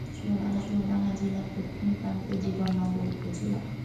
চুয়াডাঙ্গা জেলার দক্ষিণ প্রান্তে জীবননগর উপজেলা।